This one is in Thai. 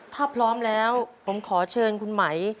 ถ้าพร้อมแล้วผมขอเชิญคุณไหม